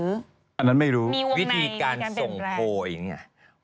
อันนั้นไม่รู้มีวงในมีการเป็นแบบวิธีการส่งโผล่อย่างนี้